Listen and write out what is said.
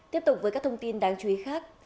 tiếp tục với các thông tin đáng chú ý khác